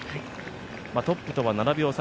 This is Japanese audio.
トップとは７秒差。